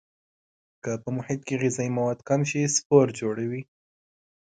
که په محیط کې غذایي مواد کم شي سپور جوړوي.